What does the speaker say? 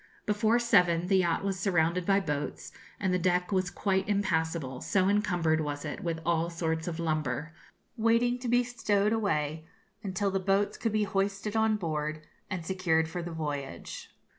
Before seven the yacht was surrounded by boats, and the deck was quite impassable, so encumbered was it with all sorts of lumber, waiting to be stowed away, until the boats could be hoisted on board and secured for the voyage.